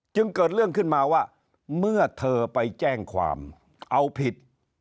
เกิดเรื่องขึ้นมาว่าเมื่อเธอไปแจ้งความเอาผิด